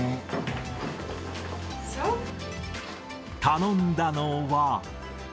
頼んだのは。